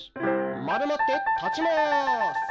まるまって立ちまーす。